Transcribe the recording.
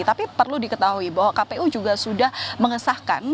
tapi perlu diketahui bahwa kpu juga sudah mengesahkan